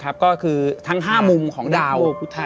ก็คือทั้ง๕มุมของดาวพุทธ